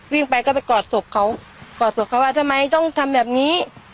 วิ่งไปก็ไปกอดศพเขากอดศพเขาว่าทำไมต้องทำแบบนี้